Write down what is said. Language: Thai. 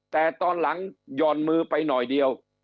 แต่ตอนหลังหย่อนมือไปหน่อยเดียว